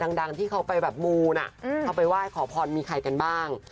ดังที่เขาไปแบบมูลเขาไปไหว้ขอพรมีใครกันบ้าง